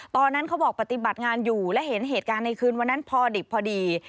เขาบอกปฏิบัติงานอยู่และเห็นเหตุการณ์ในคืนวันนั้นพอดิบพอดี